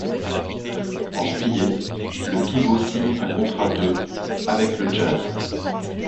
En juillet, le pivot signe un contrat de avec le Jazz.